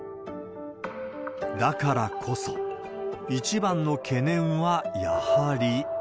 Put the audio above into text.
だからこそ、一番の懸念はやはり。